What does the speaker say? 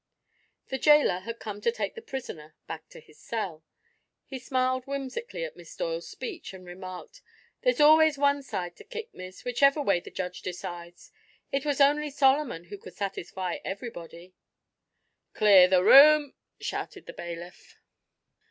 The jailer had come to take the prisoner back to his cell. He smiled whimsically at Miss Doyle's speech and remarked: "There's always one side to kick, Miss, whichever way the judge decides. It was only Solomon who could satisfy everybody." "Clear the room!" shouted the bailiff.